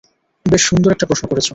বেশ সুন্দর একটা প্রশ্ন করেছ।